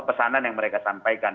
pesanan yang mereka sampaikan